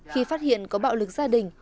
khi phát hiện có bạo lực gia đình